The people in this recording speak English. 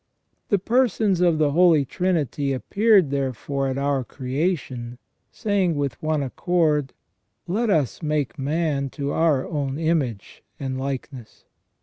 The Persons of the Holy Trinity appeared therefore at our creation, saying with one accord :" Let us make man to our own image and likeness